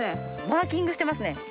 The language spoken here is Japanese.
マーキングしてますね。